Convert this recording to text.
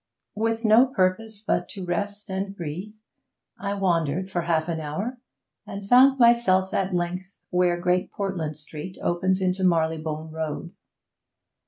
With no purpose but to rest and breathe, I wandered for half an hour, and found myself at length where Great Portland Street opens into Marylebone Road.